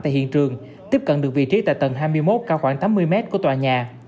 tại hiện trường tiếp cận được vị trí tại tầng hai mươi một cao khoảng tám mươi mét của tòa nhà